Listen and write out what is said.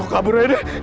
kabur aja deh